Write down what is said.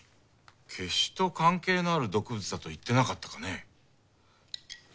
芥子と関係のある毒物だと言ってなかったかね？